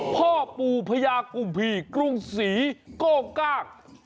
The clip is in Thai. พ่อปู่พ่อยากุมพรีกลุ้มศรีก้งก่าง